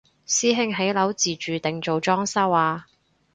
師兄起樓自住定做裝修啊？